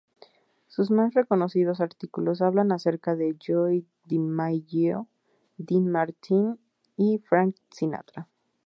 Sus más reconocidos artículos hablan acerca de Joe DiMaggio, Dean Martin y Frank Sinatra.